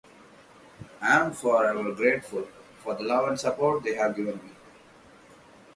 I am forever grateful for the love and support they have given me.